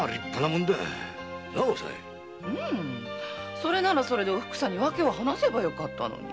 それならそれでおふくさんに訳を話せばよかったのに。